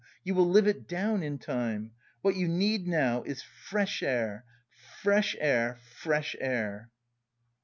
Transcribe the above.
You will live it down in time. What you need now is fresh air, fresh air, fresh air!"